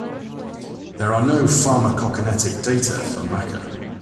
There are no pharmacokinetic data for maca.